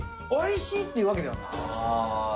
おいしいっていうわけでは。